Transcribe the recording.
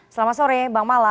selamat sore bang mala